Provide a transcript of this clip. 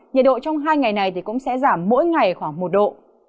nhiệt độ trong hai ngày này cũng sẽ giảm mỗi ngày khoảng một độ